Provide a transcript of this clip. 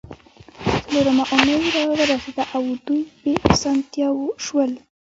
څلورمه اونۍ راورسیده او دوی بې اسانتیاوو شول